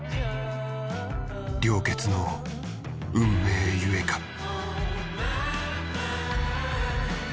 良血の運命ゆえか。